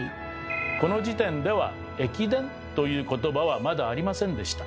この時点では「駅伝」という言葉はまだありませんでした。